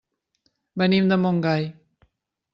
Venim de Montgai.